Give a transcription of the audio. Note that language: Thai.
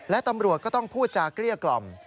และตำรวจก็ต้องพูดจากเกลี้ยกล่อม